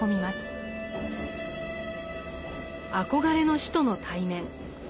憧れの師との対面。